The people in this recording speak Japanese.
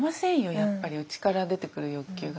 やっぱり内から出てくる欲求が。